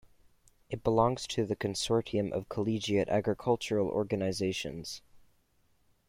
It belongs to the Consortium of Collegiate Agricultural Organizations.